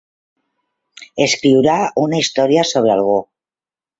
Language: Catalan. Escriurà una història sobre algú.